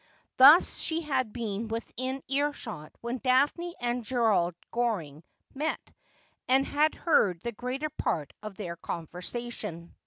Thus she had been within ear shot when Daphne and Gerald Goring met, and had heard the greater part of their conversation.